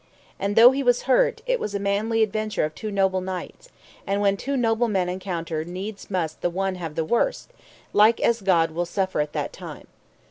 And though he was hurt, it was a manly adventure of two noble knights, and when two noble men encounter needs must the one have the worse, like as God will suffer at that time.